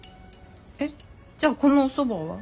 えっじゃあこのおそばは？